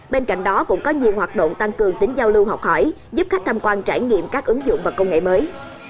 bên cạnh đó cũng có nhiều hoạt động tăng cường tính giao lưu học hỏi giúp khách tham quan trải nghiệm các ứng dụng và công nghệ mới